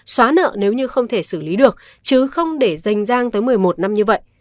xóa nợ nếu như không thể xử lý được chứ không để danh giang tới một mươi một năm như vậy